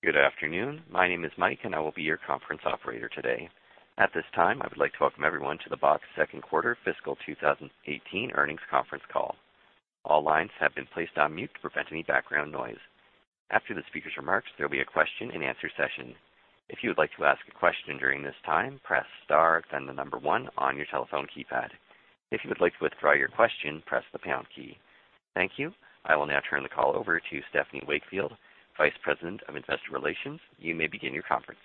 Good afternoon. My name is Mike, and I will be your conference operator today. At this time, I would like to welcome everyone to the Box second quarter fiscal 2018 earnings conference call. All lines have been placed on mute to prevent any background noise. After the speaker's remarks, there will be a question and answer session. If you would like to ask a question during this time, press star, then the number 1 on your telephone keypad. If you would like to withdraw your question, press the pound key. Thank you. I will now turn the call over to Stephanie Wakefield, Vice President of Investor Relations. You may begin your conference.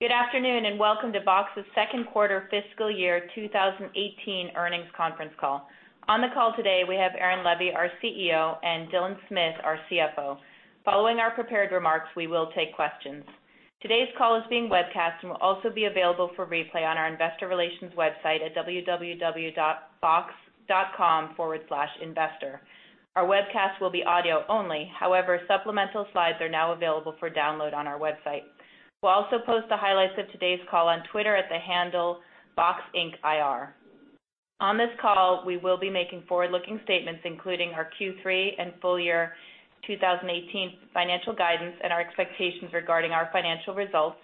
Good afternoon, welcome to Box's second quarter fiscal year 2018 earnings conference call. On the call today, we have Aaron Levie, our CEO, and Dylan Smith, our CFO. Following our prepared remarks, we will take questions. Today's call is being webcast and will also be available for replay on our investor relations website at www.box.com/investor. Our webcast will be audio only. However, supplemental slides are now available for download on our website. We will also post the highlights of today's call on Twitter at the handle BoxIncIR. On this call, we will be making forward-looking statements, including our Q3 and full year 2018 financial guidance and our expectations regarding our financial results,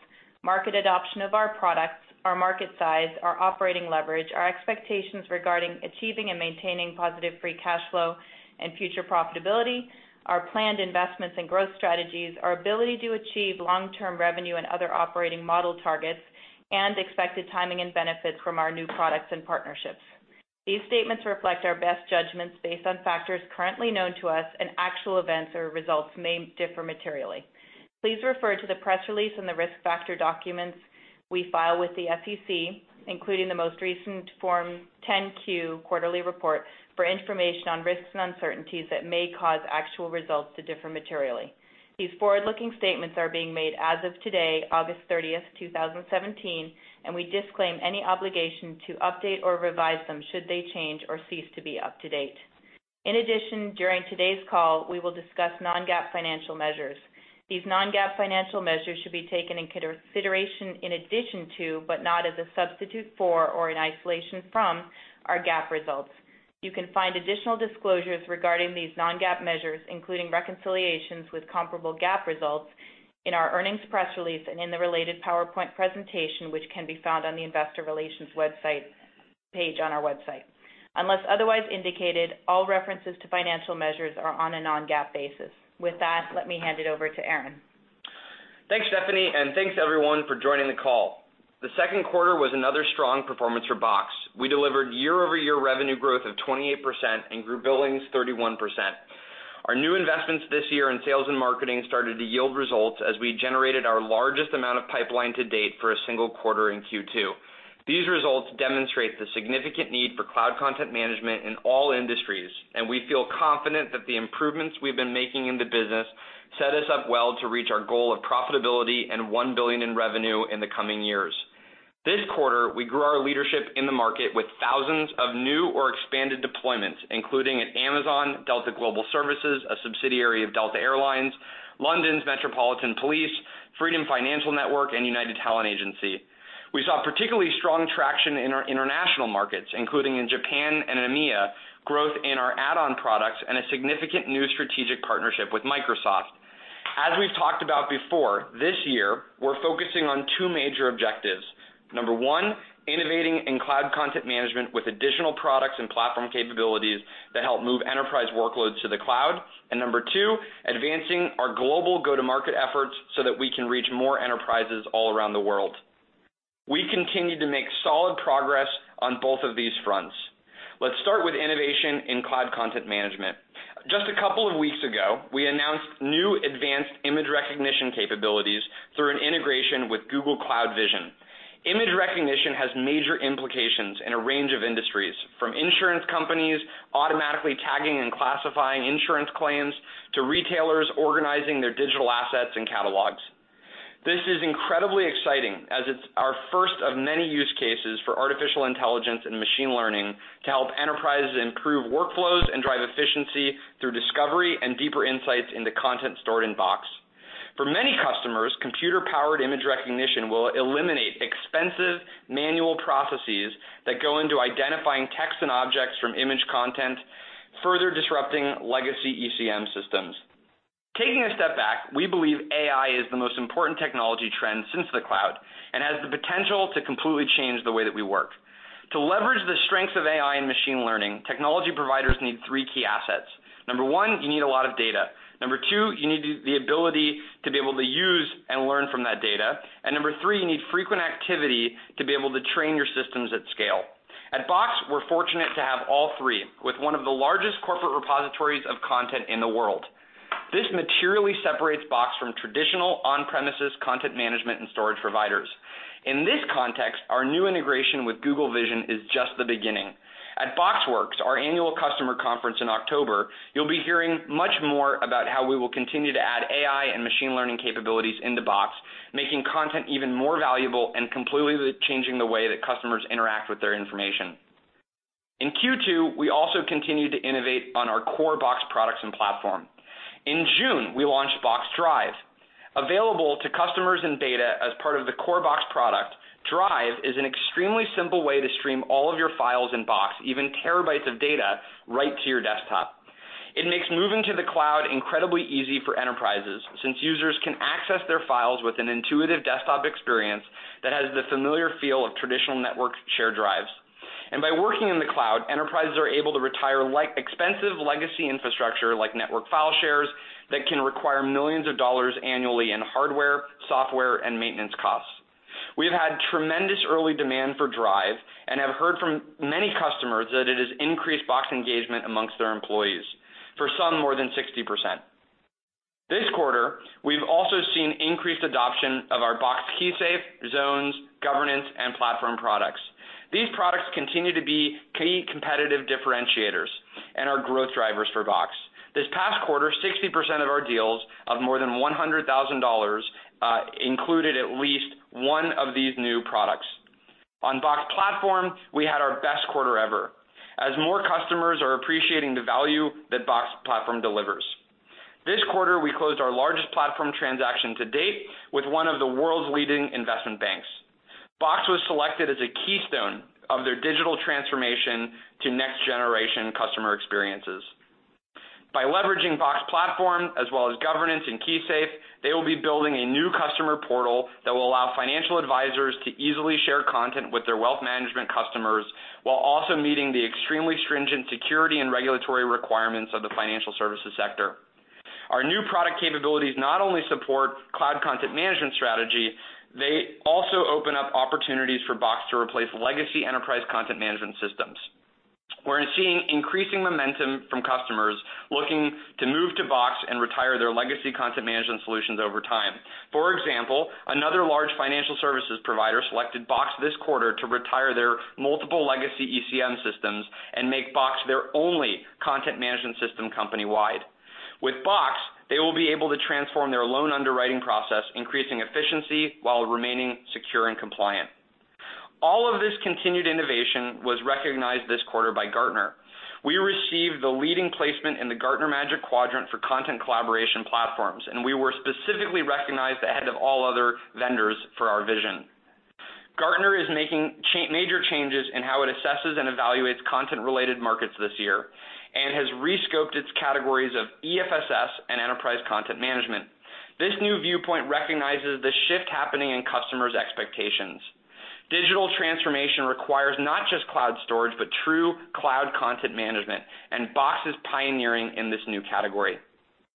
market adoption of our products, our market size, our operating leverage, our expectations regarding achieving and maintaining positive free cash flow and future profitability, our planned investments and growth strategies, our ability to achieve long-term revenue and other operating model targets, and expected timing and benefits from our new products and partnerships. These statements reflect our best judgments based on factors currently known to us, and actual events or results may differ materially. Please refer to the press release and the risk factor documents we file with the SEC, including the most recent Form 10-Q quarterly report, for information on risks and uncertainties that may cause actual results to differ materially. These forward-looking statements are being made as of today, August 30th, 2017, we disclaim any obligation to update or revise them should they change or cease to be up to date. In addition, during today's call, we will discuss non-GAAP financial measures. These non-GAAP financial measures should be taken in consideration in addition to, but not as a substitute for or in isolation from, our GAAP results. You can find additional disclosures regarding these non-GAAP measures, including reconciliations with comparable GAAP results, in our earnings press release and in the related PowerPoint presentation, which can be found on the investor relations website page on our website. Unless otherwise indicated, all references to financial measures are on a non-GAAP basis. With that, let me hand it over to Aaron. Thanks, Stephanie, thanks everyone for joining the call. The second quarter was another strong performance for Box. We delivered year-over-year revenue growth of 28% and grew billings 31%. Our new investments this year in sales and marketing started to yield results as we generated our largest amount of pipeline to date for a single quarter in Q2. These results demonstrate the significant need for cloud content management in all industries. We feel confident that the improvements we've been making in the business set us up well to reach our goal of profitability and $1 billion in revenue in the coming years. This quarter, we grew our leadership in the market with thousands of new or expanded deployments, including at Amazon, Delta Global Services, a subsidiary of Delta Air Lines, London's Metropolitan Police Service, Freedom Financial Network, and United Talent Agency. We saw particularly strong traction in our international markets, including in Japan and EMEA, growth in our add-on products, and a significant new strategic partnership with Microsoft. As we've talked about before, this year, we're focusing on two major objectives. Number one, innovating in cloud content management with additional products and platform capabilities that help move enterprise workloads to the cloud. Number two, advancing our global go-to-market efforts so that we can reach more enterprises all around the world. We continue to make solid progress on both of these fronts. Let's start with innovation in cloud content management. Just a couple of weeks ago, we announced new advanced image recognition capabilities through an integration with Google Cloud Vision. Image recognition has major implications in a range of industries, from insurance companies automatically tagging and classifying insurance claims to retailers organizing their digital assets and catalogs. This is incredibly exciting, as it's our first of many use cases for artificial intelligence and machine learning to help enterprises improve workflows and drive efficiency through discovery and deeper insights into content stored in Box. For many customers, computer-powered image recognition will eliminate expensive manual processes that go into identifying text and objects from image content, further disrupting legacy ECM systems. Taking a step back, we believe AI is the most important technology trend since the cloud and has the potential to completely change the way that we work. To leverage the strength of AI and machine learning, technology providers need three key assets. Number one, you need a lot of data. Number two, you need the ability to be able to use and learn from that data. Number three, you need frequent activity to be able to train your systems at scale. At Box, we're fortunate to have all three, with one of the largest corporate repositories of content in the world. This materially separates Box from traditional on-premises content management and storage providers. In this context, our new integration with Google Vision is just the beginning. At BoxWorks, our annual customer conference in October, you'll be hearing much more about how we will continue to add AI and machine learning capabilities into Box, making content even more valuable and completely changing the way that customers interact with their information. In Q2, we also continued to innovate on our core Box products and platform. In June, we launched Box Drive. Available to customers in beta as part of the core Box product, Drive is an extremely simple way to stream all of your files in Box, even terabytes of data, right to your desktop. It makes moving to the cloud incredibly easy for enterprises, since users can access their files with an intuitive desktop experience that has the familiar feel of traditional network share drives. By working in the cloud, enterprises are able to retire expensive legacy infrastructure like network file shares that can require $ millions annually in hardware, software, and maintenance costs. We have had tremendous early demand for Drive and have heard from many customers that it has increased Box engagement amongst their employees, for some more than 60%. This quarter, we've also seen increased adoption of our Box KeySafe, Zones, Governance, and Platform products. These products continue to be key competitive differentiators and are growth drivers for Box. This past quarter, 60% of our deals of more than $100,000 included at least one of these new products. On Box Platform, we had our best quarter ever, as more customers are appreciating the value that Box Platform delivers. This quarter, we closed our largest platform transaction to date with one of the world's leading investment banks. Box was selected as a keystone of their digital transformation to next-generation customer experiences. By leveraging Box Platform, as well as Governance and KeySafe, they will be building a new customer portal that will allow financial advisors to easily share content with their wealth management customers, while also meeting the extremely stringent security and regulatory requirements of the financial services sector. Our new product capabilities not only support cloud content management strategy, they also open up opportunities for Box to replace legacy enterprise content management systems. We're seeing increasing momentum from customers looking to move to Box and retire their legacy content management solutions over time. For example, another large financial services provider selected Box this quarter to retire their multiple legacy ECM systems and make Box their only content management system company-wide. With Box, they will be able to transform their loan underwriting process, increasing efficiency while remaining secure and compliant. All of this continued innovation was recognized this quarter by Gartner. We received the leading placement in the Gartner Magic Quadrant for content collaboration platforms, and we were specifically recognized ahead of all other vendors for our vision. Gartner is making major changes in how it assesses and evaluates content-related markets this year and has re-scoped its categories of EFSS and enterprise content management. This new viewpoint recognizes the shift happening in customers' expectations. Digital transformation requires not just cloud storage, but true cloud content management, and Box is pioneering in this new category.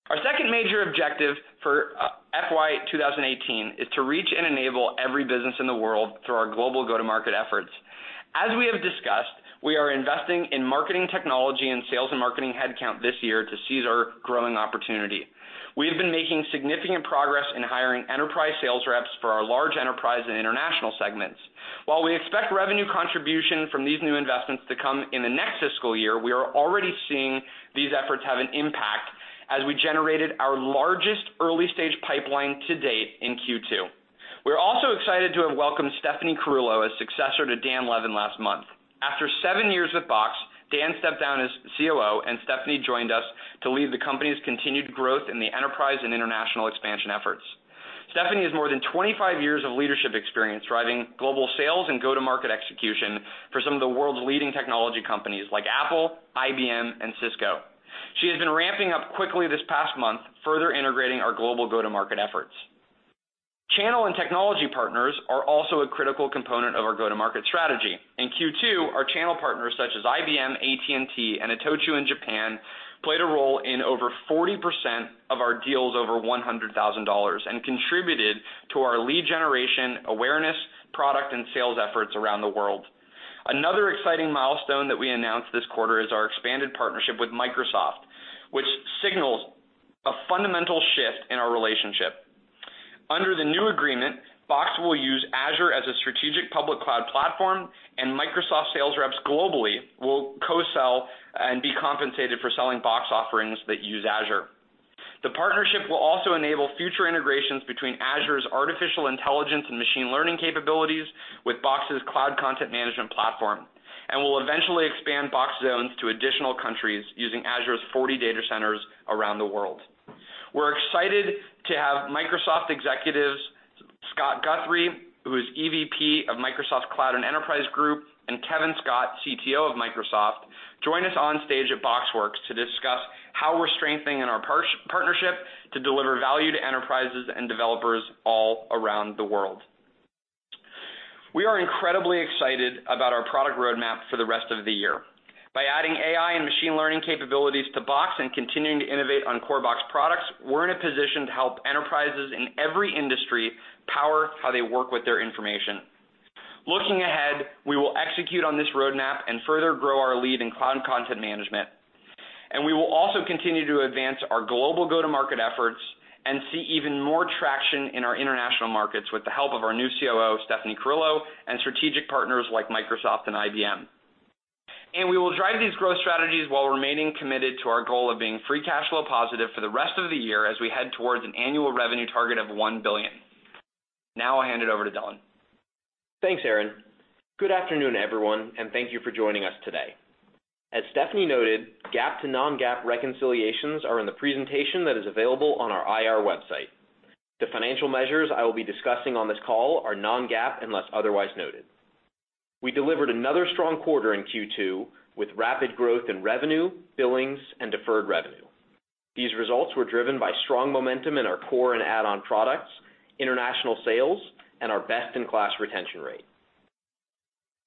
Our second major objective for FY 2018 is to reach and enable every business in the world through our global go-to-market efforts. As we have discussed, we are investing in marketing technology and sales and marketing headcount this year to seize our growing opportunity. We have been making significant progress in hiring enterprise sales reps for our large enterprise and international segments. While we expect revenue contribution from these new investments to come in the next fiscal year, we are already seeing these efforts have an impact as we generated our largest early-stage pipeline to date in Q2. We're also excited to have welcomed Stephanie Carullo as successor to Dan Levin last month. After seven years with Box, Dan stepped down as COO, and Stephanie joined us to lead the company's continued growth in the enterprise and international expansion efforts. Stephanie has more than 25 years of leadership experience driving global sales and go-to-market execution for some of the world's leading technology companies, like Apple, IBM, and Cisco. She has been ramping up quickly this past month, further integrating our global go-to-market efforts. Channel and technology partners are also a critical component of our go-to-market strategy. In Q2, our channel partners, such as IBM, AT&T, and Itochu in Japan, played a role in over 40% of our deals over $100,000 and contributed to our lead generation, awareness, product, and sales efforts around the world. Another exciting milestone that we announced this quarter is our expanded partnership with Microsoft, which signals a fundamental shift in our relationship. Under the new agreement, Box will use Azure as a strategic public cloud platform, and Microsoft sales reps globally will co-sell and be compensated for selling Box offerings that use Azure. The partnership will also enable future integrations between Azure's artificial intelligence and machine learning capabilities with Box's cloud content management platform and will eventually expand Box Zones to additional countries using Azure's 40 data centers around the world. We're excited to have Microsoft executives, Scott Guthrie, who is EVP of Microsoft Cloud and Enterprise Group, and Kevin Scott, CTO of Microsoft, join us on stage at BoxWorks to discuss how we're strengthening our partnership to deliver value to enterprises and developers all around the world. We are incredibly excited about our product roadmap for the rest of the year. By adding AI and machine learning capabilities to Box and continuing to innovate on core Box products, we're in a position to help enterprises in every industry power how they work with their information. Looking ahead, we will execute on this roadmap and further grow our lead in cloud content management. We will also continue to advance our global go-to-market efforts and see even more traction in our international markets with the help of our new COO, Stephanie Carullo, and strategic partners like Microsoft and IBM. We will drive these growth strategies while remaining committed to our goal of being free cash flow positive for the rest of the year as we head towards an annual revenue target of $1 billion. Now I'll hand it over to Dylan. Thanks, Aaron. Good afternoon, everyone, and thank you for joining us today. As Stephanie noted, GAAP to non-GAAP reconciliations are in the presentation that is available on our IR website. The financial measures I will be discussing on this call are non-GAAP unless otherwise noted. We delivered another strong quarter in Q2, with rapid growth in revenue, billings, and deferred revenue. These results were driven by strong momentum in our core and add-on products, international sales, and our best-in-class retention rate.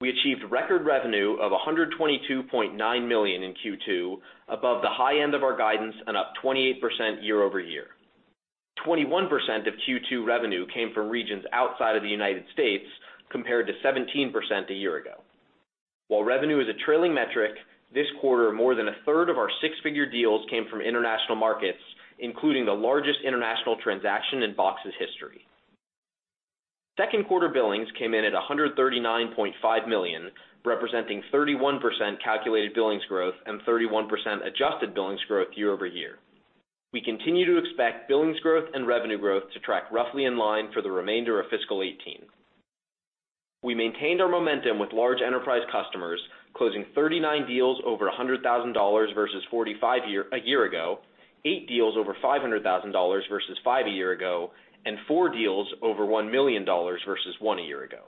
We achieved record revenue of $122.9 million in Q2, above the high end of our guidance and up 28% year-over-year. 21% of Q2 revenue came from regions outside of the U.S., compared to 17% a year ago. While revenue is a trailing metric, this quarter, more than a third of our six-figure deals came from international markets, including the largest international transaction in Box's history. Second quarter billings came in at $139.5 million, representing 31% calculated billings growth and 31% adjusted billings growth year-over-year. We continue to expect billings growth and revenue growth to track roughly in line for the remainder of fiscal 2018. We maintained our momentum with large enterprise customers, closing 39 deals over $100,000 versus 45 a year ago, eight deals over $500,000 versus five a year ago, and four deals over $1 million versus one a year ago.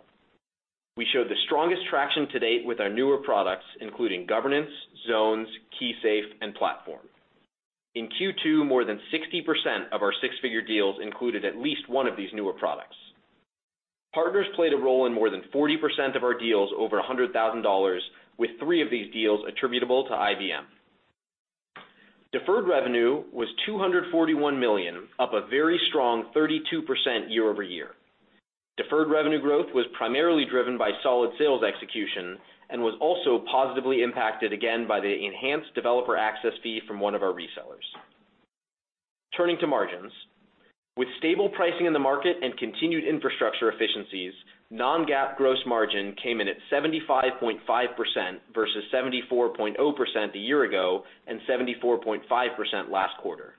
We showed the strongest traction to date with our newer products, including Governance, Zones, KeySafe, and Platform. In Q2, more than 60% of our six-figure deals included at least one of these newer products. Partners played a role in more than 40% of our deals over $100,000, with three of these deals attributable to IBM. Deferred revenue was $241 million, up a very strong 32% year-over-year. Deferred revenue growth was primarily driven by solid sales execution and was also positively impacted again by the enhanced developer access fee from one of our resellers. Turning to margins. With stable pricing in the market and continued infrastructure efficiencies, non-GAAP gross margin came in at 75.5% versus 74.0% a year ago and 74.5% last quarter.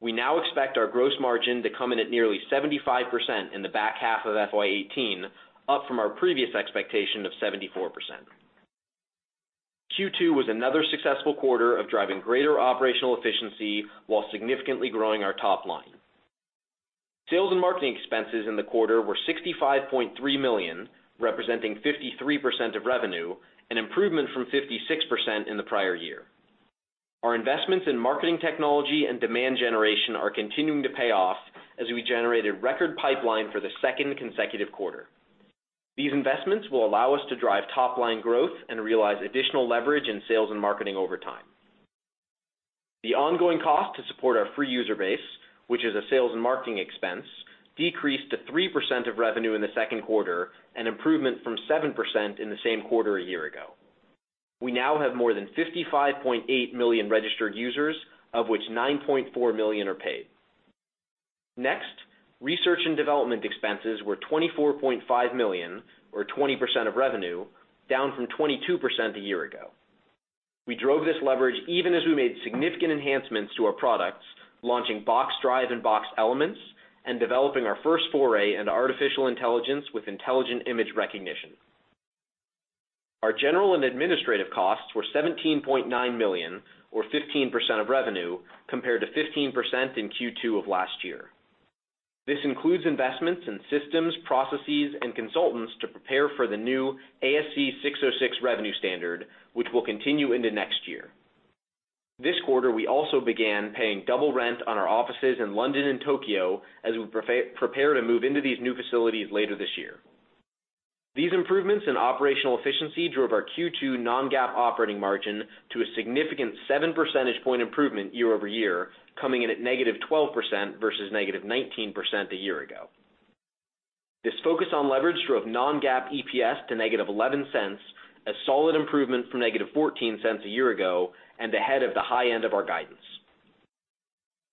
We now expect our gross margin to come in at nearly 75% in the back half of FY 2018, up from our previous expectation of 74%. Q2 was another successful quarter of driving greater operational efficiency while significantly growing our top line. Sales and marketing expenses in the quarter were $65.3 million, representing 53% of revenue, an improvement from 56% in the prior year. Our investments in marketing technology and demand generation are continuing to pay off as we generated record pipeline for the second consecutive quarter. These investments will allow us to drive top-line growth and realize additional leverage in sales and marketing over time. The ongoing cost to support our free user base, which is a sales and marketing expense, decreased to 3% of revenue in the second quarter, an improvement from 7% in the same quarter a year ago. We now have more than 55.8 million registered users, of which 9.4 million are paid. Next, research and development expenses were $24.5 million or 20% of revenue, down from 22% a year ago. We drove this leverage even as we made significant enhancements to our products, launching Box Drive and Box Elements, and developing our first foray into artificial intelligence with Box Image Recognition. Our general and administrative costs were $17.9 million or 15% of revenue, compared to 15% in Q2 of last year. This includes investments in systems, processes, and consultants to prepare for the new ASC 606 revenue standard, which will continue into next year. This quarter, we also began paying double rent on our offices in London and Tokyo as we prepare to move into these new facilities later this year. These improvements in operational efficiency drove our Q2 non-GAAP operating margin to a significant seven percentage point improvement year-over-year, coming in at -12% versus -19% a year ago. This focus on leverage drove non-GAAP EPS to -$0.11, a solid improvement from -$0.14 a year ago and ahead of the high end of our guidance.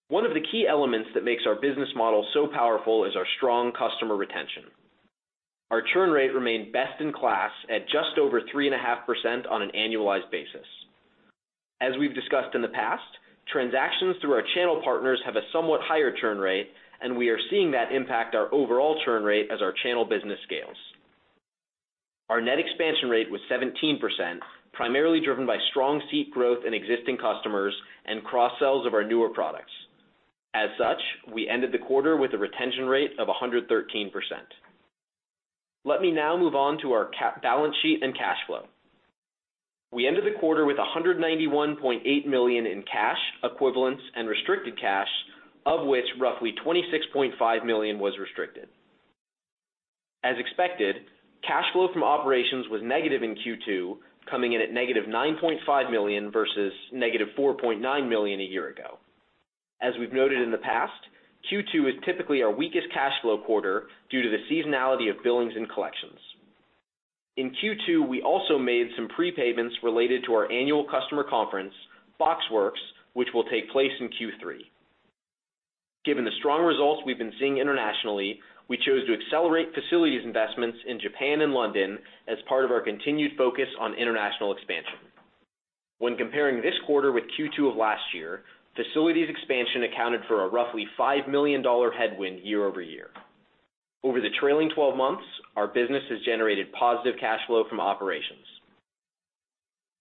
One of the key elements that makes our business model so powerful is our strong customer retention. Our churn rate remained best in class at just over 3.5% on an annualized basis. As we've discussed in the past, transactions through our channel partners have a somewhat higher churn rate, and we are seeing that impact our overall churn rate as our channel business scales. Our net expansion rate was 17%, primarily driven by strong seat growth in existing customers and cross-sells of our newer products. As such, we ended the quarter with a retention rate of 113%. Let me now move on to our balance sheet and cash flow. We ended the quarter with $191.8 million in cash, equivalents, and restricted cash, of which roughly $26.5 million was restricted. As expected, cash flow from operations was negative in Q2, coming in at negative $9.5 million versus negative $4.9 million a year ago. As we've noted in the past, Q2 is typically our weakest cash flow quarter due to the seasonality of billings and collections. In Q2, we also made some prepayments related to our annual customer conference, BoxWorks, which will take place in Q3. Given the strong results we've been seeing internationally, we chose to accelerate facilities investments in Japan and London as part of our continued focus on international expansion. When comparing this quarter with Q2 of last year, facilities expansion accounted for a roughly $5 million headwind year-over-year. Over the trailing 12 months, our business has generated positive cash flow from operations.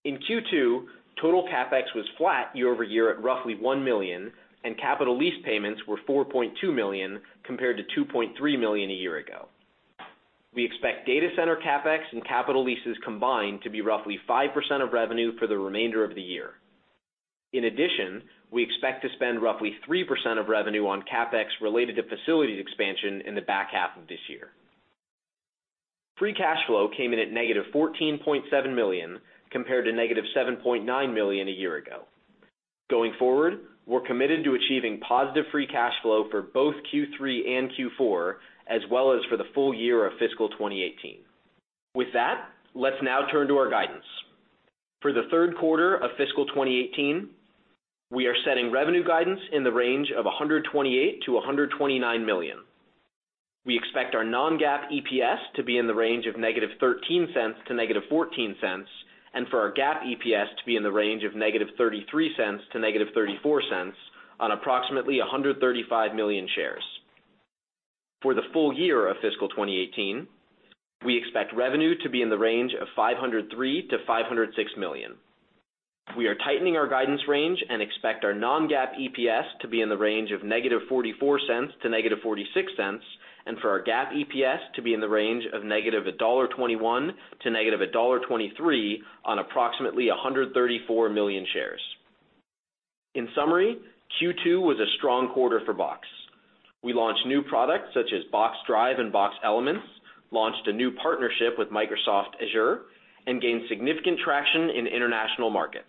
In Q2, total CapEx was flat year-over-year at roughly $1 million, and capital lease payments were $4.2 million, compared to $2.3 million a year ago. We expect data center CapEx and capital leases combined to be roughly 5% of revenue for the remainder of the year. In addition, we expect to spend roughly 3% of revenue on CapEx related to facilities expansion in the back half of this year. Free cash flow came in at negative $14.7 million, compared to negative $7.9 million a year ago. Going forward, we're committed to achieving positive free cash flow for both Q3 and Q4, as well as for the full year of fiscal 2018. With that, let's now turn to our guidance. For the third quarter of fiscal 2018, we are setting revenue guidance in the range of $128 million-$129 million. We expect our non-GAAP EPS to be in the range of negative $0.13 to negative $0.14, and for our GAAP EPS to be in the range of negative $0.33 to negative $0.34 on approximately 135 million shares. For the full year of fiscal 2018, we expect revenue to be in the range of $503 million-$506 million. We are tightening our guidance range and expect our non-GAAP EPS to be in the range of negative $0.44 to negative $0.46, and for our GAAP EPS to be in the range of negative $1.21 to negative $1.23 on approximately 134 million shares. In summary, Q2 was a strong quarter for Box. We launched new products such as Box Drive and Box Elements, launched a new partnership with Microsoft Azure, and gained significant traction in international markets.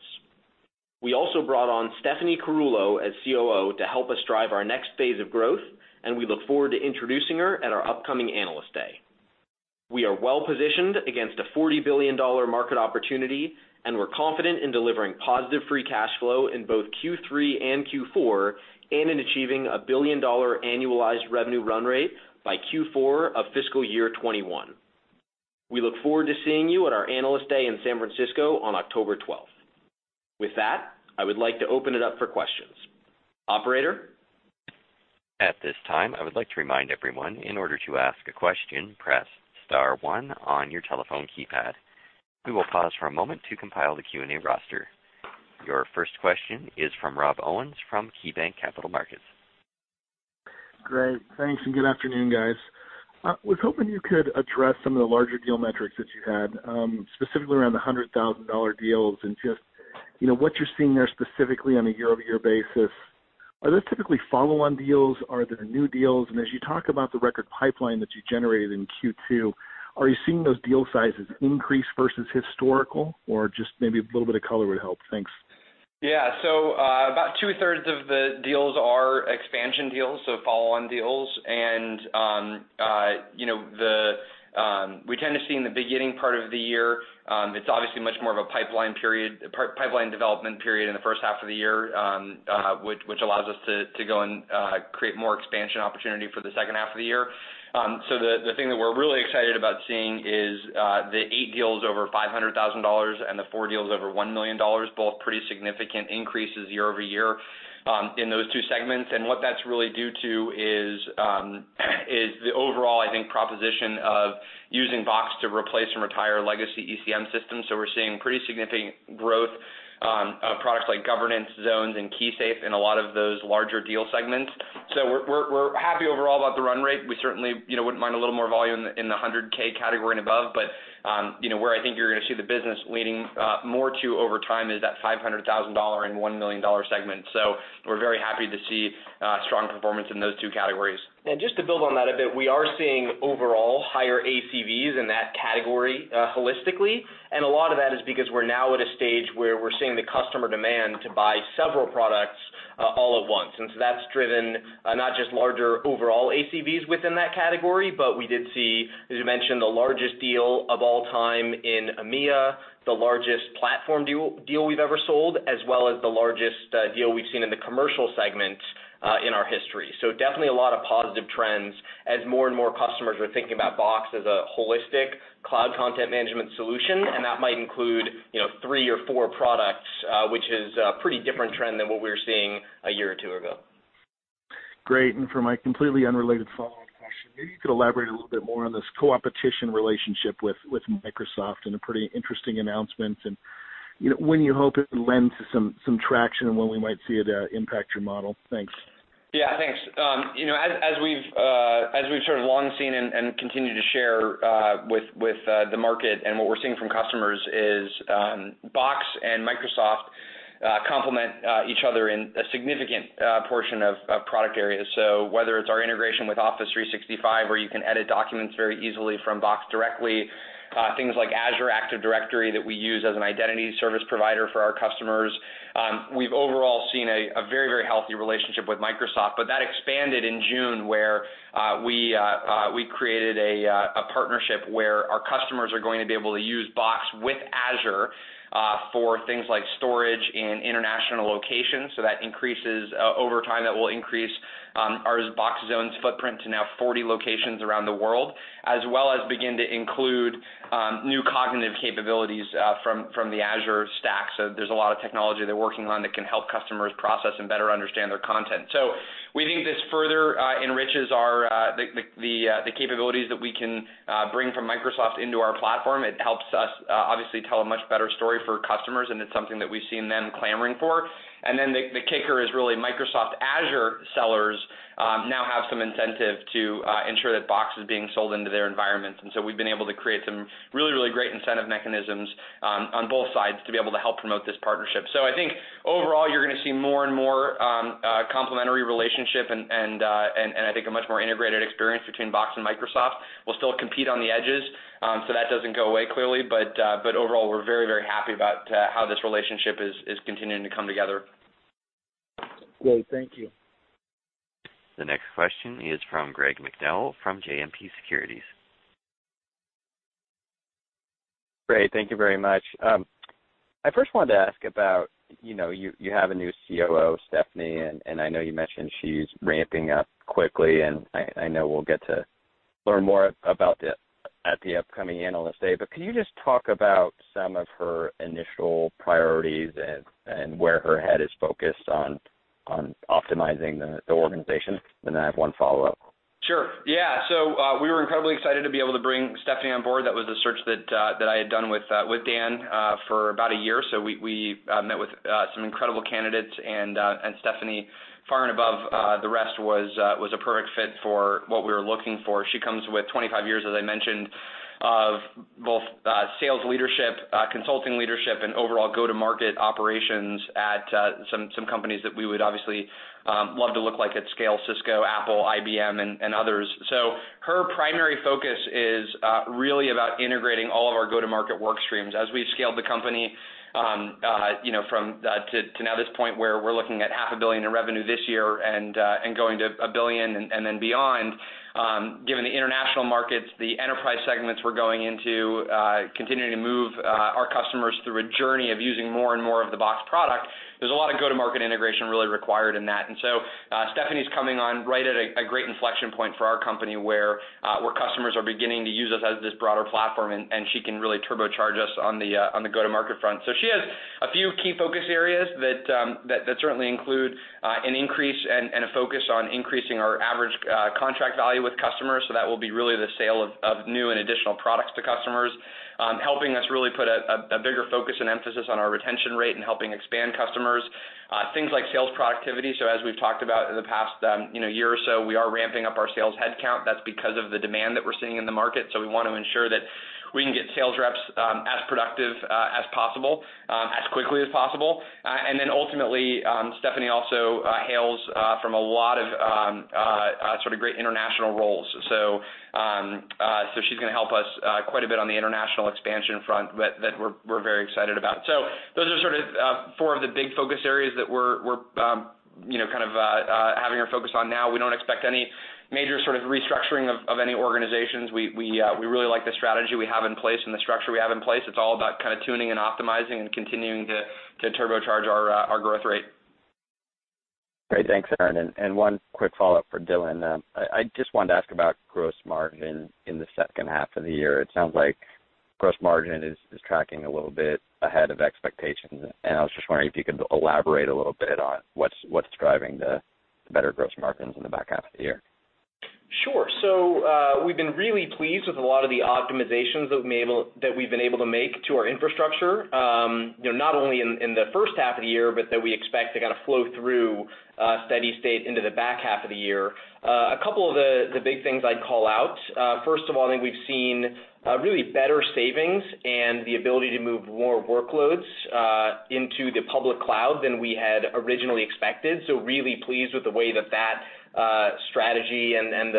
We also brought on Stephanie Carullo as COO to help us drive our next phase of growth, and we look forward to introducing her at our upcoming Analyst Day. We are well-positioned against a $40 billion market opportunity, and we're confident in delivering positive free cash flow in both Q3 and Q4, and in achieving a billion-dollar annualized revenue run rate by Q4 of fiscal year 2021. We look forward to seeing you at our Analyst Day in San Francisco on October 12th. With that, I would like to open it up for questions. Operator? At this time, I would like to remind everyone, in order to ask a question, press *1 on your telephone keypad. We will pause for a moment to compile the Q&A roster. Your first question is from Rob Owens from KeyBanc Capital Markets. Great. Thanks, and good afternoon, guys. I was hoping you could address some of the larger deal metrics that you had, specifically around the $100,000 deals and just what you're seeing there specifically on a year-over-year basis. Are those typically follow-on deals? Are they the new deals? As you talk about the record pipeline that you generated in Q2, are you seeing those deal sizes increase versus historical, or just maybe a little bit of color would help. Thanks. Yeah. About two-thirds of the deals are expansion deals, so follow-on deals. We tend to see in the beginning part of the year, it's obviously much more of a pipeline development period in the first half of the year, which allows us to go and create more expansion opportunity for the second half of the year. The thing that we're really excited about seeing is the eight deals over $500,000 and the four deals over $1 million, both pretty significant increases year-over-year, in those two segments. What that's really due to is the overall, I think, proposition of using Box to replace and retire legacy ECM systems. We're seeing pretty significant growth of products like Governance, Zones, and KeySafe in a lot of those larger deal segments. We're happy overall about the run rate. We certainly wouldn't mind a little more volume in the 100K category and above. Where I think you're going to see the business leaning more to over time is that $500,000 and $1 million segment. We're very happy to see strong performance in those two categories. Just to build on that a bit. We are seeing overall higher ACVs in that category, holistically. A lot of that is because we're now at a stage where we're seeing the customer demand to buy several products all at once. That's driven, not just larger overall ACVs within that category, but we did see, as you mentioned, the largest deal of all time in EMEA, the largest platform deal we've ever sold, as well as the largest deal we've seen in the commercial segment, in our history. Definitely a lot of positive trends as more and more customers are thinking about Box as a holistic cloud content management solution, and that might include three or four products, which is a pretty different trend than what we were seeing a year or two ago. Great. For my completely unrelated follow-up question, maybe you could elaborate a little bit more on this co-opetition relationship with Microsoft and a pretty interesting announcement, and when you hope it lends some traction and when we might see it impact your model. Thanks. Yeah. Thanks. As we've sort of long seen and continue to share, with the market and what we're seeing from customers is, Box and Microsoft complement each other in a significant portion of product areas. Whether it's our integration with Office 365, where you can edit documents very easily from Box directly, things like Azure Active Directory that we use as an identity service provider for our customers. We've overall seen a very healthy relationship with Microsoft. That expanded in June where we created a partnership where our customers are going to be able to use Box with Azure. For things like storage in international locations. Over time, that will increase our Box Zones footprint to now 40 locations around the world, as well as begin to include new cognitive capabilities from the Azure stack. There's a lot of technology they're working on that can help customers process and better understand their content. We think this further enriches the capabilities that we can bring from Microsoft into our platform. It helps us obviously tell a much better story for customers, and it's something that we've seen them clamoring for. The kicker is really Microsoft Azure sellers now have some incentive to ensure that Box is being sold into their environments. We've been able to create some really, really great incentive mechanisms on both sides to be able to help promote this partnership. I think overall, you're going to see more and more complementary relationship and I think a much more integrated experience between Box and Microsoft. We'll still compete on the edges, that doesn't go away clearly, overall, we're very happy about how this relationship is continuing to come together. Great. Thank you. The next question is from Greg McDowell from JMP Securities. Great. Thank you very much. I first wanted to ask about, you have a new COO, Stephanie, I know you mentioned she's ramping up quickly, I know we'll get to learn more about it at the upcoming Analyst Day, can you just talk about some of her initial priorities and where her head is focused on optimizing the organization? I have one follow-up. Sure. Yeah. We were incredibly excited to be able to bring Stephanie on board. That was a search that I had done with Dan for about a year. We met with some incredible candidates, Stephanie, far and above the rest, was a perfect fit for what we were looking for. She comes with 25 years, as I mentioned, of both sales leadership, consulting leadership, and overall go-to-market operations at some companies that we would obviously love to look like at scale, Cisco, Apple, IBM, and others. Her primary focus is really about integrating all of our go-to-market work streams. As we've scaled the company to now this point where we're looking at half a billion in revenue this year going to a billion and then beyond, given the international markets, the enterprise segments we're going into, continuing to move our customers through a journey of using more and more of the Box product, there's a lot of go-to-market integration really required in that. Stephanie's coming on right at a great inflection point for our company where customers are beginning to use us as this broader platform, she can really turbocharge us on the go-to-market front. She has a few key focus areas that certainly include an increase and a focus on increasing our average contract value with customers, so that will be really the sale of new and additional products to customers. Helping us really put a bigger focus and emphasis on our retention rate and helping expand customers. Things like sales productivity, as we've talked about in the past year or so, we are ramping up our sales headcount. That's because of the demand that we're seeing in the market. We want to ensure that we can get sales reps as productive as possible, as quickly as possible. Ultimately, Stephanie also hails from a lot of great international roles. She's going to help us quite a bit on the international expansion front that we're very excited about. Those are sort of four of the big focus areas that we're having her focus on now. We don't expect any major restructuring of any organizations. We really like the strategy we have in place and the structure we have in place. It's all about tuning and optimizing and continuing to turbocharge our growth rate. Great. One quick follow-up for Dylan. I just wanted to ask about gross margin in the second half of the year. It sounds like gross margin is tracking a little bit ahead of expectations, and I was just wondering if you could elaborate a little bit on what's driving the better gross margins in the back half of the year. Sure. We've been really pleased with a lot of the optimizations that we've been able to make to our infrastructure, not only in the first half of the year, but that we expect to flow through steady state into the back half of the year. A couple of the big things I'd call out, first of all, I think we've seen really better savings and the ability to move more workloads into the public cloud than we had originally expected. Really pleased with the way that strategy and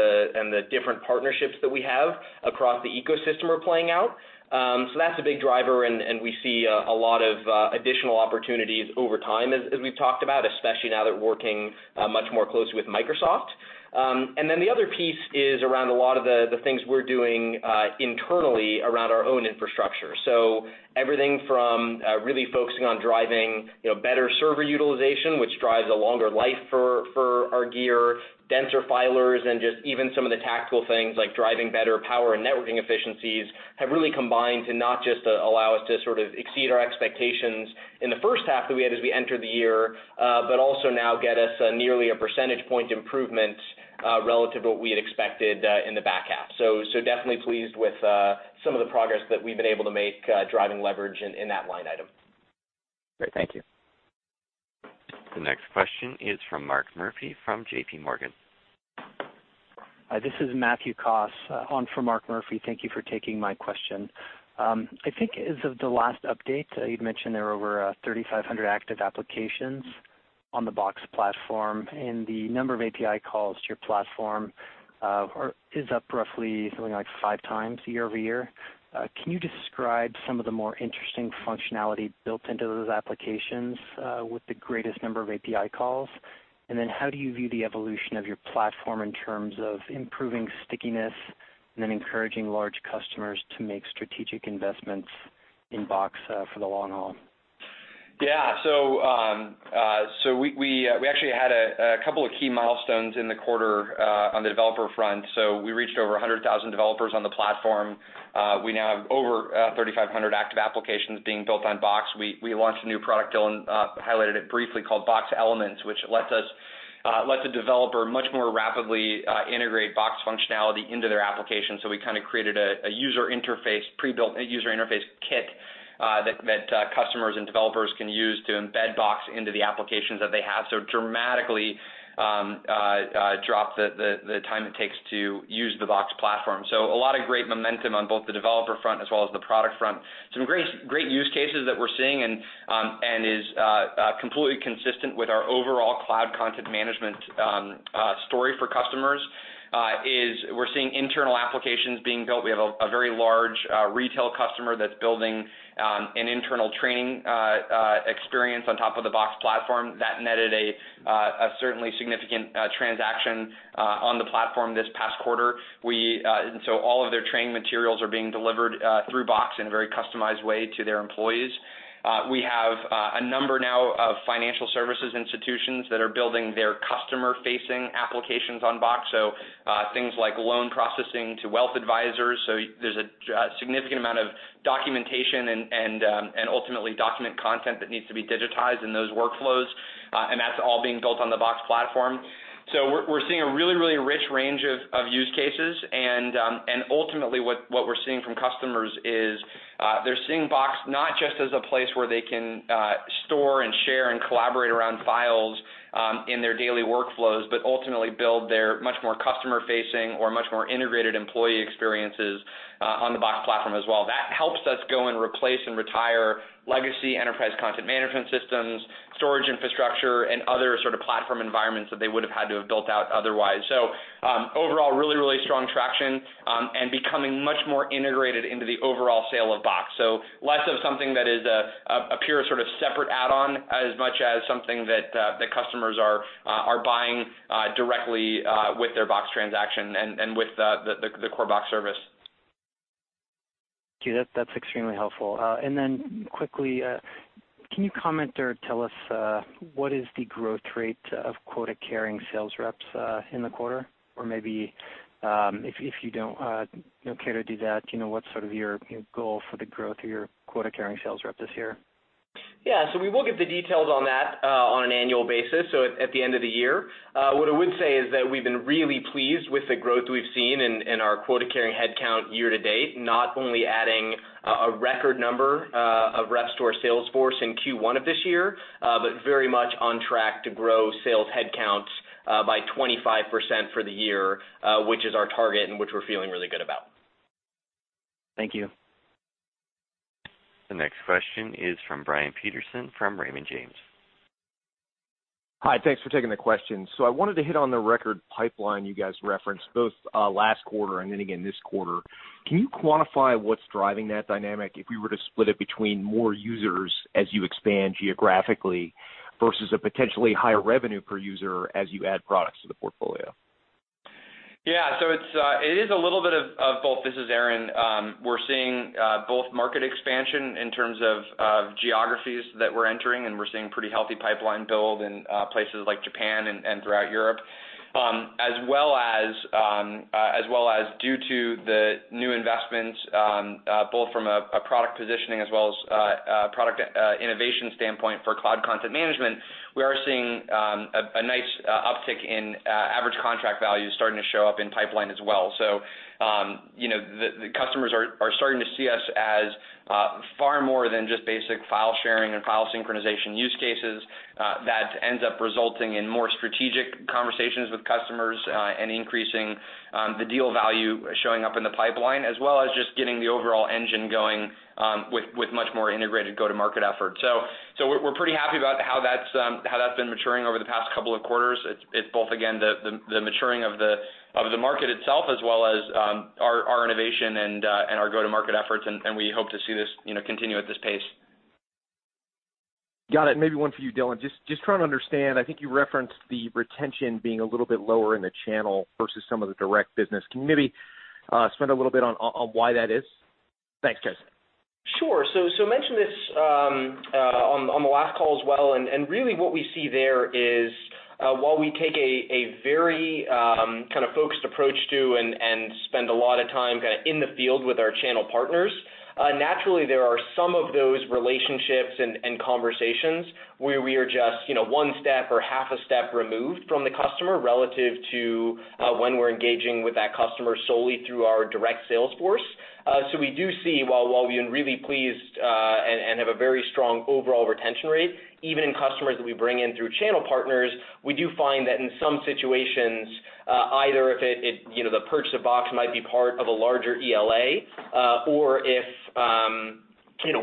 the different partnerships that we have across the ecosystem are playing out. That's a big driver, and we see a lot of additional opportunities over time, as we've talked about, especially now that we're working much more closely with Microsoft. The other piece is around a lot of the things we're doing internally around our own infrastructure. Everything from really focusing on driving better server utilization, which drives a longer life for our gear, denser filers, and just even some of the tactical things like driving better power and networking efficiencies have really combined to not just allow us to exceed our expectations in the first half that we had as we entered the year, but also now get us nearly a percentage point improvement relative to what we had expected in the back half. Definitely pleased with some of the progress that we've been able to make driving leverage in that line item. Great. Thank you. The next question is from Mark Murphy from JPMorgan. Hi, this is Matthew Kempler on for Mark Murphy. Thank you for taking my question. I think as of the last update, you'd mentioned there were over 3,500 active applications on the Box Platform, and the number of API calls to your platform is up roughly something like five times year-over-year. Can you describe some of the more interesting functionality built into those applications, with the greatest number of API calls? How do you view the evolution of your platform in terms of improving stickiness And then encouraging large customers to make strategic investments in Box for the long haul. Yeah. We actually had a couple of key milestones in the quarter on the developer front. We reached over 100,000 developers on the platform. We now have over 3,500 active applications being built on Box. We launched a new product, Dylan highlighted it briefly, called Box Elements, which lets a developer much more rapidly integrate Box functionality into their application. We created a prebuilt user interface kit that customers and developers can use to embed Box into the applications that they have, so dramatically dropped the time it takes to use the Box Platform. A lot of great momentum on both the developer front as well as the product front. Some great use cases that we're seeing, and is completely consistent with our overall cloud content management story for customers, is we're seeing internal applications being built. We have a very large retail customer that's building an internal training experience on top of the Box Platform. That netted a certainly significant transaction on the platform this past quarter. All of their training materials are being delivered through Box in a very customized way to their employees. We have a number now of financial services institutions that are building their customer-facing applications on Box, things like loan processing to wealth advisors. There's a significant amount of documentation and ultimately document content that needs to be digitized in those workflows, and that's all being built on the Box Platform. We're seeing a really rich range of use cases, and ultimately what we're seeing from customers is, they're seeing Box not just as a place where they can store and share and collaborate around files in their daily workflows, but ultimately build their much more customer-facing or much more integrated employee experiences on the Box Platform as well. That helps us go and replace and retire legacy enterprise content management systems, storage infrastructure, and other sort of platform environments that they would've had to have built out otherwise. Overall, really strong traction, and becoming much more integrated into the overall sale of Box. Less of something that is a pure sort of separate add-on, as much as something that the customers are buying directly with their Box transaction and with the core Box service. Okay. That's extremely helpful. Quickly, can you comment or tell us what is the growth rate of quota-carrying sales reps in the quarter? Maybe, if you don't care to do that, what's sort of your goal for the growth of your quota-carrying sales rep this year? Yeah. We will give the details on that on an annual basis, at the end of the year. What I would say is that we've been really pleased with the growth we've seen in our quota-carrying headcount year to date, not only adding a record number of reps to our sales force in Q1 of this year, but very much on track to grow sales headcounts by 25% for the year, which is our target and which we're feeling really good about. Thank you. The next question is from Brian Peterson from Raymond James. Hi. Thanks for taking the question. I wanted to hit on the record pipeline you guys referenced, both last quarter and then again this quarter. Can you quantify what's driving that dynamic, if we were to split it between more users as you expand geographically versus a potentially higher revenue per user as you add products to the portfolio? Yeah. It is a little bit of both. This is Aaron. We're seeing both market expansion in terms of geographies that we're entering, and we're seeing pretty healthy pipeline build in places like Japan and throughout Europe. As well as due to the new investments, both from a product positioning as well as product innovation standpoint for cloud content management, we are seeing a nice uptick in average contract value starting to show up in pipeline as well. The customers are starting to see us as far more than just basic file sharing and file synchronization use cases. That ends up resulting in more strategic conversations with customers, and increasing the deal value showing up in the pipeline, as well as just getting the overall engine going with much more integrated go-to-market efforts. We're pretty happy about how that's been maturing over the past couple of quarters. It's both, again, the maturing of the market itself, as well as our innovation and our go-to-market efforts. We hope to see this continue at this pace. Got it. Maybe one for you, Dylan. Just trying to understand, I think you referenced the retention being a little bit lower in the channel versus some of the direct business. Can you maybe expand a little bit on why that is? Thanks, guys. Sure. I mentioned this on the last call as well. Really what we see there is, while we take a very focused approach to, and spend a lot of time in the field with our channel partners, naturally there are some of those relationships and conversations where we are just one step or half a step removed from the customer relative to when we're engaging with that customer solely through our direct sales force. We do see, while we've been really pleased and have a very strong overall retention rate, even in customers that we bring in through channel partners, we do find that in some situations, either the purchase of Box might be part of a larger ELA or if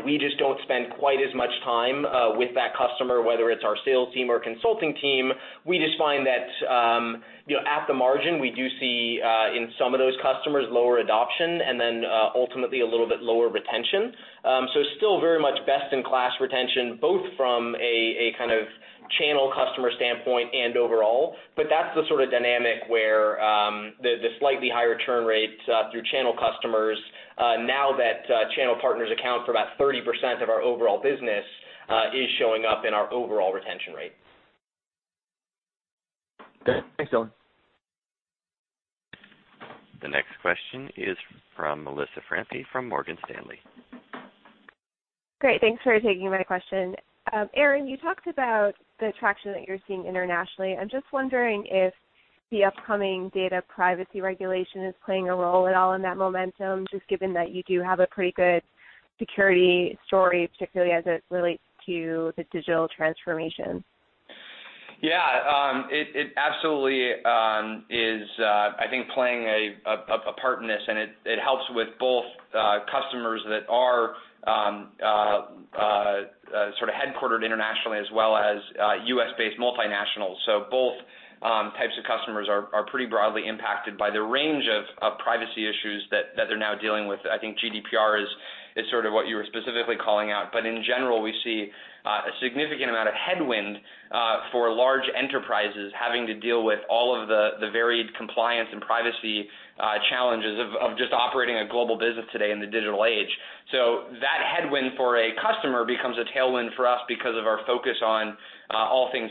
we just don't spend quite as much time with that customer, whether it's our sales team or consulting team. We just find that at the margin, we do see, in some of those customers, lower adoption. Ultimately a little bit lower retention. Still very much best-in-class retention, both from a Channel customer standpoint and overall, but that's the sort of dynamic where the slightly higher churn rates through channel customers, now that channel partners account for about 30% of our overall business, is showing up in our overall retention rate. Good. Thanks, Dylan. The next question is from Melissa Franche from Morgan Stanley. Great. Thanks for taking my question. Aaron, you talked about the traction that you're seeing internationally. I'm just wondering if the upcoming data privacy regulation is playing a role at all in that momentum, just given that you do have a pretty good security story, particularly as it relates to the digital transformation. Yeah. It absolutely is, I think, playing a part in this, and it helps with both customers that are sort of headquartered internationally as well as U.S.-based multinationals. Both types of customers are pretty broadly impacted by the range of privacy issues that they're now dealing with. I think GDPR is sort of what you were specifically calling out. In general, we see a significant amount of headwind for large enterprises having to deal with all of the varied compliance and privacy challenges of just operating a global business today in the digital age. That headwind for a customer becomes a tailwind for us because of our focus on all things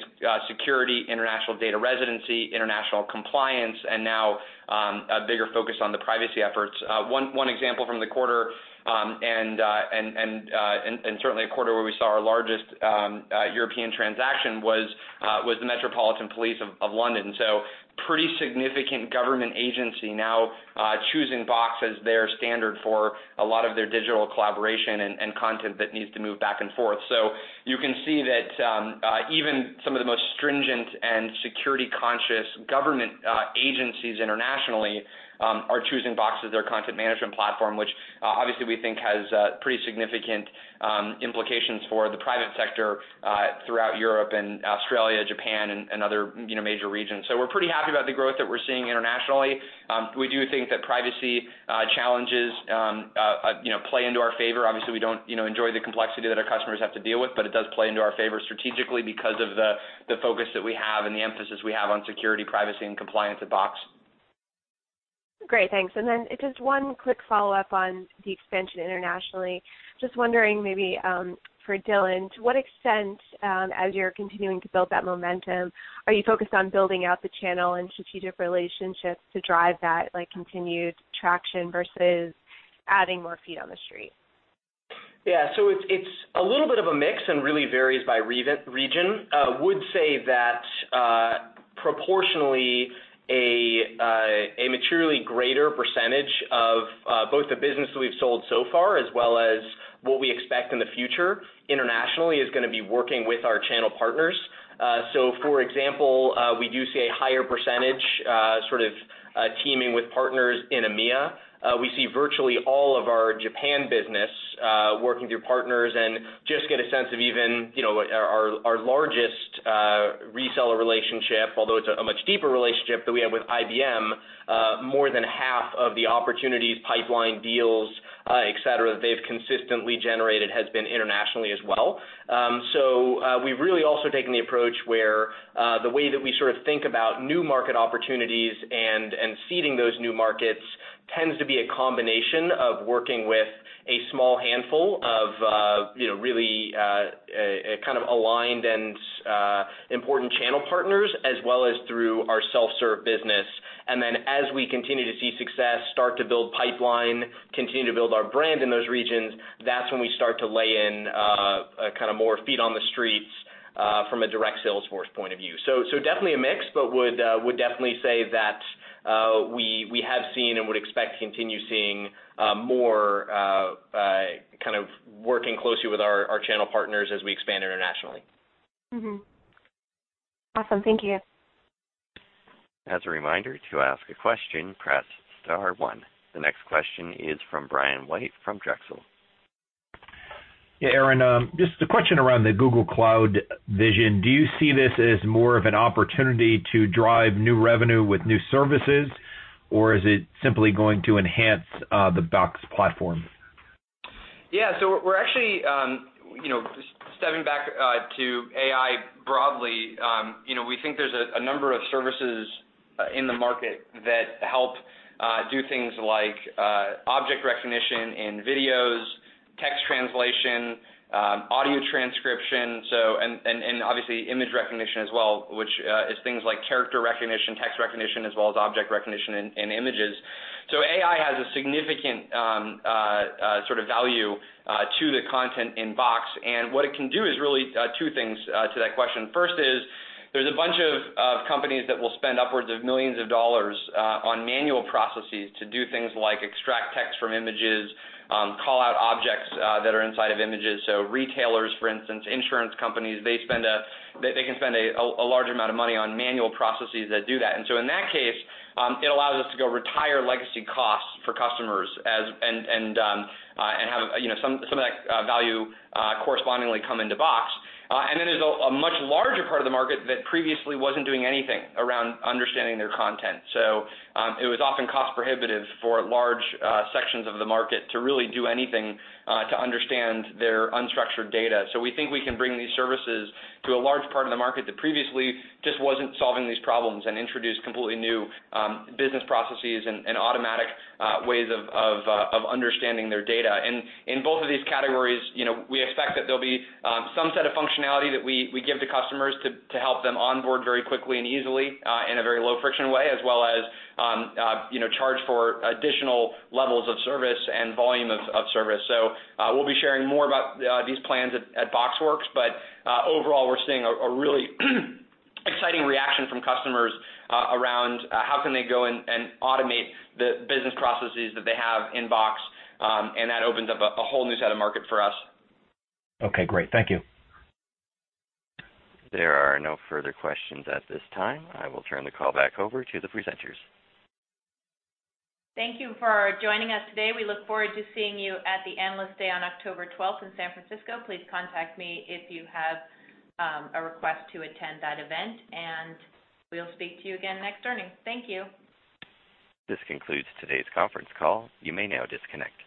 security, international data residency, international compliance, and now a bigger focus on the privacy efforts. One example from the quarter, certainly a quarter where we saw our largest European transaction, was the Metropolitan Police of London. Pretty significant government agency now choosing Box as their standard for a lot of their digital collaboration and content that needs to move back and forth. You can see that even some of the most stringent and security-conscious government agencies internationally are choosing Box as their content management platform, which obviously we think has pretty significant implications for the private sector throughout Europe and Australia, Japan, and other major regions. We're pretty happy about the growth that we're seeing internationally. We do think that privacy challenges play into our favor. Obviously, we don't enjoy the complexity that our customers have to deal with, it does play into our favor strategically because of the focus that we have and the emphasis we have on security, privacy, and compliance at Box. Great. Thanks. Just one quick follow-up on the expansion internationally. Just wondering maybe for Dylan, to what extent, as you're continuing to build that momentum, are you focused on building out the channel and strategic relationships to drive that continued traction versus adding more feet on the street? Yeah. It's a little bit of a mix and really varies by region. I would say that proportionally, a materially greater percentage of both the business that we've sold so far as well as what we expect in the future internationally is going to be working with our channel partners. For example, we do see a higher percentage sort of teaming with partners in EMEA. We see virtually all of our Japan business working through partners, and just get a sense of even our largest reseller relationship, although it's a much deeper relationship that we have with IBM, more than half of the opportunities, pipeline deals, et cetera, they've consistently generated has been internationally as well. We've really also taken the approach where the way that we sort of think about new market opportunities and seeding those new markets tends to be a combination of working with a small handful of really kind of aligned and important channel partners, as well as through our self-serve business. As we continue to see success, start to build pipeline, continue to build our brand in those regions, that's when we start to lay in more feet on the streets from a direct sales force point of view. Definitely a mix, but would definitely say that we have seen and would expect to continue seeing more working closely with our channel partners as we expand internationally. Awesome. Thank you. As a reminder, to ask a question, press star one. The next question is from Brian White from Drexel. Yeah, Aaron, just a question around the Google Cloud Vision. Do you see this as more of an opportunity to drive new revenue with new services, or is it simply going to enhance the Box Platform? Yeah. We're actually, stepping back to AI broadly, we think there's a number of services in the market that help do things like object recognition in videos, text translation, audio transcription, and obviously image recognition as well, which is things like character recognition, text recognition, as well as object recognition in images. AI has a significant sort of value to the content in Box, and what it can do is really two things to that question. First is there's a bunch of companies that will spend upwards of millions of dollars on manual processes to do things like extract text from images, call out objects that are inside of images. Retailers, for instance, insurance companies, they can spend a large amount of money on manual processes that do that. In that case, it allows us to go retire legacy costs for customers and have some of that value correspondingly come into Box. There's a much larger part of the market that previously wasn't doing anything around understanding their content. It was often cost prohibitive for large sections of the market to really do anything to understand their unstructured data. We think we can bring these services to a large part of the market that previously just wasn't solving these problems and introduce completely new business processes and automatic ways of understanding their data. In both of these categories, we expect that there'll be some set of functionality that we give to customers to help them onboard very quickly and easily in a very low friction way, as well as charge for additional levels of service and volume of service. We'll be sharing more about these plans at BoxWorks, but overall, we're seeing a really exciting reaction from customers around how can they go and automate the business processes that they have in Box, and that opens up a whole new set of market for us. Okay, great. Thank you. There are no further questions at this time. I will turn the call back over to the presenters. Thank you for joining us today. We look forward to seeing you at the Analyst Day on October 12th in San Francisco. Please contact me if you have a request to attend that event. We'll speak to you again next earnings. Thank you. This concludes today's conference call. You may now disconnect.